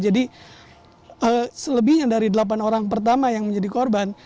jadi selebihnya dari delapan orang pertama yang menjadi korban